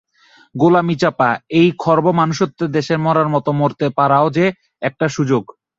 গোলামি-চাপা এই খর্ব মানুষ্যত্বের দেশে মরার মতো মরতে পারাও যে একটা সুযোগ।